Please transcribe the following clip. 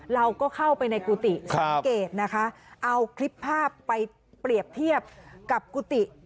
เราก็เข้าไปในกุฏิสังเกตนะคะเอาคลิปภาพไปเปรียบเทียบกับกุฏิ